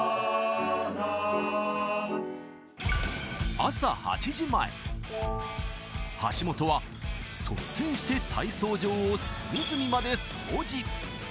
朝８時前、橋本は率先して、体操場を隅々まで掃除。